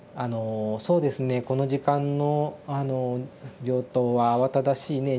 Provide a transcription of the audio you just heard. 「そうですねこの時間の病棟は慌ただしいね。